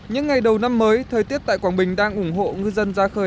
những ngày đầu năm mới thời tiết tại quảng bình đang ủng hộ ngư dân ra khơi